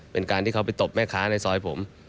เป็นการที่เขาไปตบแม่ค้าในซอยผม